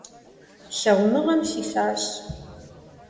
Лъагъуныгъэм сисащ…